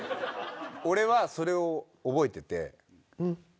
俺はそれを覚えてて。